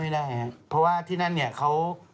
ไม่ได้เพราะว่าที่นั่นเขา